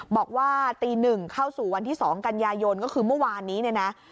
บอกว่าตีหนึ่งเข้าสู่วันที่๒กันยายนก็คือเมื่อวานนี้เนี่ยนะ